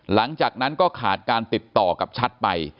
หลังจากนั้นก็ขาดการติดต่อกับชัดไป